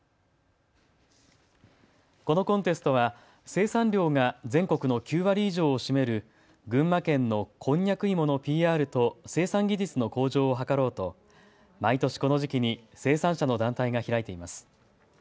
このコンテストは生産量が全国の９割以上を占める群馬県のこんにゃく芋のＰＲと生産技術の向上を図ろうと毎年この時期に生産者の団体が開いています。